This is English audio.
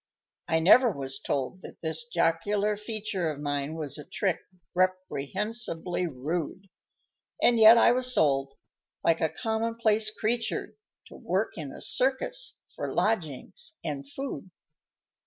_ _I never was told that this jocular feature Of mine was a trick reprehensibly rude, And yet I was sold, like a commonplace creature, To work in a circus for lodgings and food.